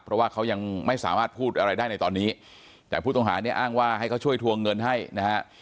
เพราะว่าเขายังไม่สามารถพูดอะไรได้ในตอนนี้แต่ผู้ต้องหาเนี่ยอ้างว่าให้เขาช่วยทวงเงินให้นะฮะ